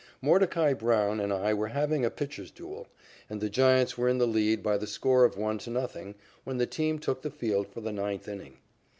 Mordecai Brown and I were having a pitchers' duel, and the Giants were in the lead by the score of 1 to 0 when the team took the field for the ninth inning.